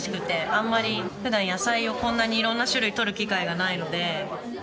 あんまり普段野菜をこんなに色んな種類取る機会がないので。